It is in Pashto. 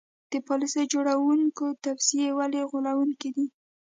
د پالیسي جوړوونکو توصیې ولې غولوونکې دي.